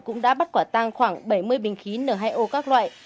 cũng đã bắt quả tăng khoảng bảy mươi bình khí n hai o các loại